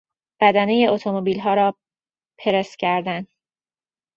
بدنهی اتومبیلها را پرس کردن